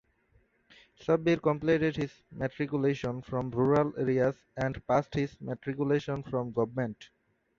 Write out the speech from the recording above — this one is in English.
Shabbir completed his matriculation from rural areas and passed his matriculation from Govt.